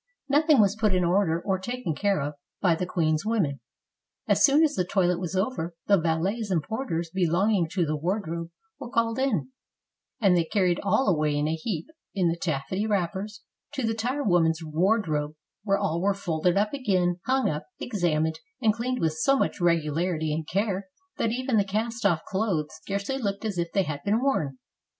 Nothing was put in order or taken care of by the queen's women. As soon as the toilet was over, the valets and porters belonging to the wardrobe were called in, and they carried all away in a heap, in the taffety wrappers, to the tire woman's wardrobe, where all were folded up again, hung up, examined, and cleaned with so much regularity and care that even the cast off clothes scarcely looked as if they had been worn.